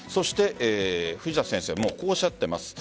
藤田先生はこうおっしゃっています。